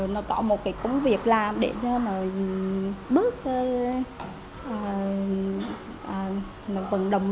nó có một cái công việc làm để cho nó bước vận động